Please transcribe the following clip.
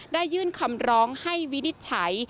ได้ยื่นคำร้องให้วินิจฉัย